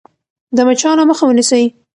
د مچانو مخه ونیسئ.